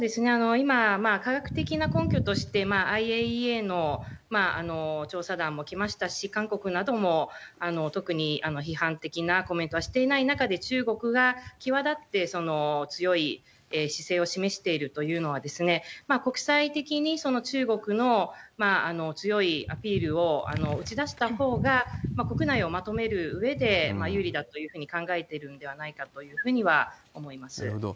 今、科学的な根拠として、ＩＡＥＡの調査団も来ましたし、韓国なども特に批判的なコメントはしていない中で、中国が際立って強い姿勢を示しているというのは、国際的に中国の強いアピールを打ち出したほうが、国内をまとめるうえで有利だというふうに考えてるんではないかとなるほど。